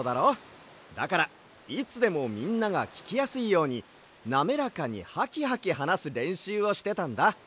だからいつでもみんながききやすいようになめらかにハキハキはなすれんしゅうをしてたんだ。